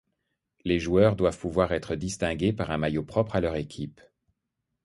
Les joueurs doivent pouvoir être distingués par un maillot propre à leur équipe.